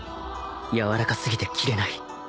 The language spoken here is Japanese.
柔らかすぎて斬れない